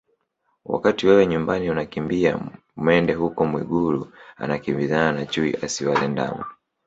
Wakati wewe nyumbani unakimbia mende huko Mwigulu anakimbizana na chui asiwale ndama